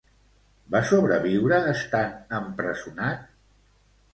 Va sobreviure estant empresonat?